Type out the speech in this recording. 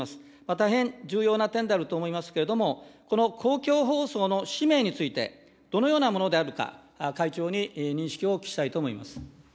大変重要な点であると思いますけれども、この公共放送の使命について、どのようなものであるか、会長に認識をお聞きしたいと思います。